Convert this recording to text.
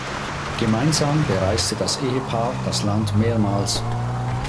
Gemeinsam bereiste das Ehepaar das Land mehrmals.